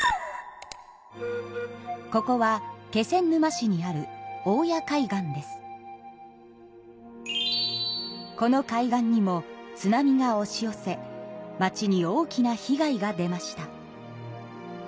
ここは気仙沼市にあるこの海岸にも津波がおし寄せ町に大きな被害が出ました。